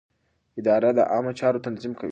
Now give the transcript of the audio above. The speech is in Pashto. اداره د عامه چارو تنظیم کوي.